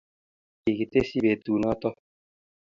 Kikityense peetuunooto.